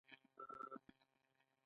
ژبه یوازې د کتابونو لپاره نه ده.